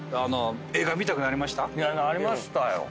なりましたよ。